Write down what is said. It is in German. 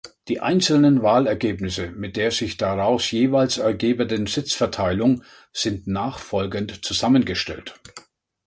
Die einzelnen Wahlergebnisse mit der sich daraus jeweils ergebenden Sitzverteilung sind nachfolgend zusammengestellt.